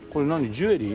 ジュエリー？